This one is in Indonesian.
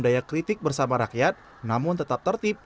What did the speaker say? daya kritik bersama rakyat namun tetap tertib